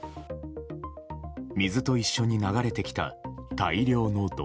水と一緒に流れてきた大量の泥。